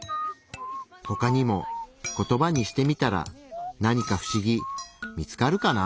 ほかにもコトバにしてみたら何か不思議見つかるかな？